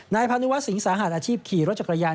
นายพาณุวัสสิงห์สาหัสอาชีพขี่รถจักรยาน